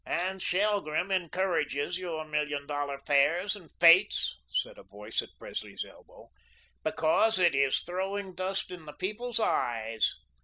"And Shelgrim encourages your million dollar fairs and fetes," said a voice at Presley's elbow, "because it is throwing dust in the people's eyes."